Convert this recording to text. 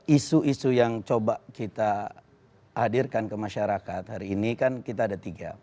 isu isu yang coba kita hadirkan ke masyarakat hari ini kan kita ada tiga